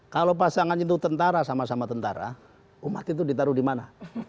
kalau pasangan itu tentara sama sama tentara umat itu ditaruh di mana